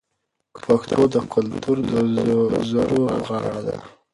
پښتو د کلتور د زرو غاړه ده.